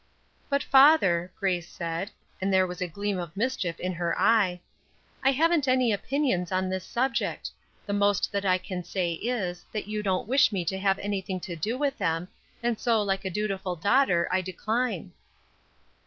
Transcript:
"But father," Grace said, and there was a gleam of mischief in her eye, "I haven't any opinions on this subject. The most that I can say is, that you don't wish me to have anything to do with them; and so, like a dutiful daughter, I decline."